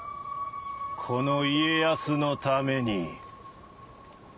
この家康のために。